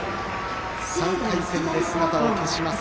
３回戦で姿を消します。